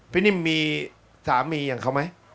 นิ่มมีสามีอย่างเขาไหม